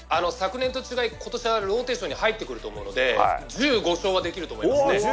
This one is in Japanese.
昨年と違い、今年はローテンションに入ってくると思うので１５勝はできると思いますね。